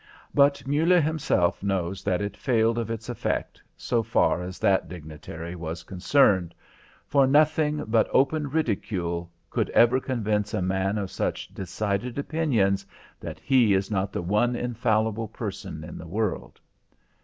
But Muller himself knows that it failed of its effect, so far as that dignitary was concerned. For nothing but open ridicule could ever convince a man of such decided opinions that he is not the one infallible person in the world.